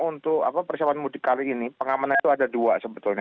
untuk persiapan mudik kali ini pengamanan itu ada dua sebetulnya